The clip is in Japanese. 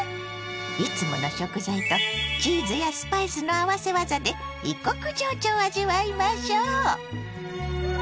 いつもの食材とチーズやスパイスの合わせ技で異国情緒を味わいましょう。